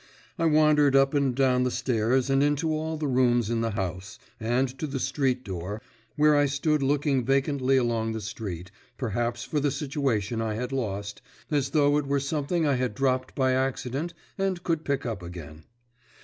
I wandered up and down the stairs and into all the rooms in the house, and to the street door, where I stood looking vacantly along the street, perhaps for the situation I had lost, as though it were something I had dropped by accident and could pick up again.